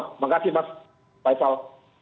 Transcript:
terima kasih mas faisal